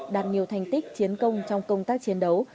đạt nhiều thành tích chiến công trong công tác chiến đấu